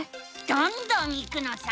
どんどんいくのさ！